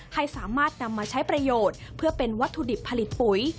ให้สามารถนำมาใช้ประโยชน์เพื่อเป็นวัตถุดิบผลิตปุ๋ย